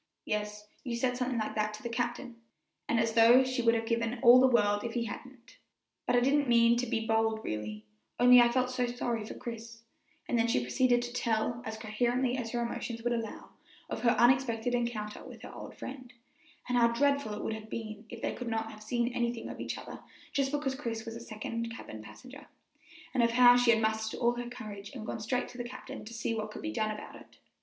"Yes, you said something like that to the captain;" and as though she would have given all the world if he hadn't, "but I didn't mean to be bold really, only I felt so sorry for Chris;" and then she proceeded to tell, as coherently as her emotions would allow, of her unexpected encounter with her old friend, and how dreadful it would have been if they could not have seen anything of each other just because Chris was a second cabin passenger, and of how she had mustered all her courage and gone straight to the captain to see what could be done about it.